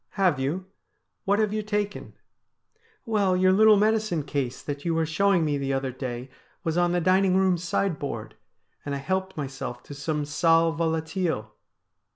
' Have you ? What have you taken ?'' Well, your little medicine case that you were showing me the other day was on the dining room sideboard, and I helped myself to some sal volatile.'